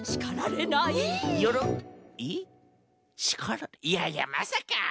しからいやいやまさか。